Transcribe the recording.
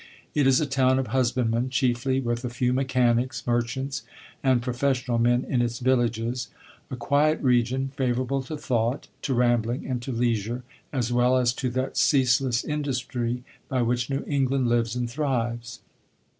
It is a town of husbandmen, chiefly, with a few mechanics, merchants, and professional men in its villages; a quiet region, favorable to thought, to rambling, and to leisure, as well as to that ceaseless industry by which New England lives and thrives.